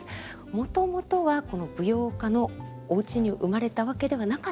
もともとは舞踊家のおうちに生まれたわけではなかった？